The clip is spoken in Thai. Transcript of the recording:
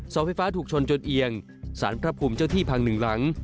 เสาไฟฟ้าถูกชนจนเอียงสารพระภูมิเจ้าที่พังหนึ่งหลัง